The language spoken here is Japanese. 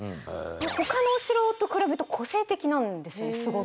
他のお城と比べて個性的なんですよねすごく。